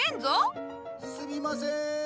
・すみません。